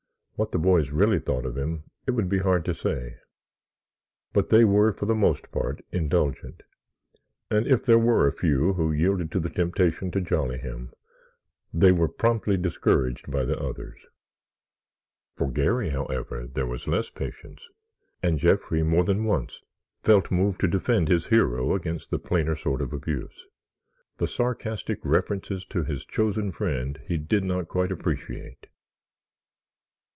What the boys really thought of him it would be hard to say, but they were for the most part indulgent and if there were a few who yielded to the temptation to jolly him, they were promptly discouraged by the others. For Garry, however, there was less patience and Jeffrey more than once felt moved to defend his hero against the plainer sort of abuse. The sarcastic references to his chosen friend he did not quite appreciate.